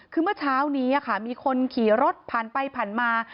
คือเมื่อเช้านี้มีคนขี่รถผ่านไปผ่านมา